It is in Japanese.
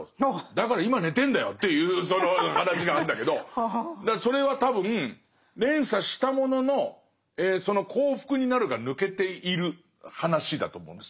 だから今寝てるんだよっていうその話があるんだけどそれは多分連鎖したもののその「幸福になる」が抜けている話だと思うんです。